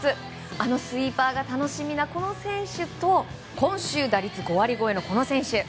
あのスイーパーが楽しみなこの選手と今秋、打率５割超えのこの選手。